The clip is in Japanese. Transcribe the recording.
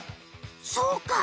そうか！